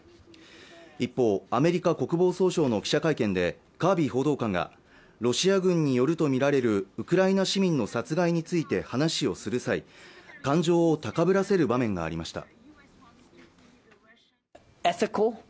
一方アメリカ国防総省の記者会見でカービー報道官がロシア軍によるとみられるウクライナ市民の殺害について話をする際感情を高ぶらせる場面がありました